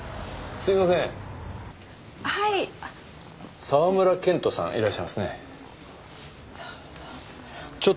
すいませんあっはい沢村健人さんいらっしゃいますね沢村